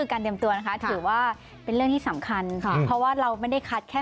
ก็ดูแลตัวเองนะคะ